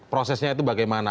prosesnya itu bagaimana